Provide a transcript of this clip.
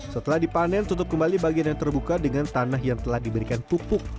setelah dipanen tutup kembali bagian yang terbuka dengan tanah yang telah diberikan pupuk